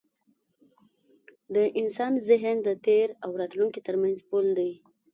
د انسان ذهن د تېر او راتلونکي تر منځ پُل دی.